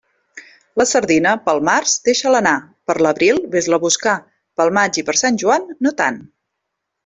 La sardina, pel març, deixa-la anar; per l'abril, vés-la a buscar; pel maig i per Sant Joan, no tant.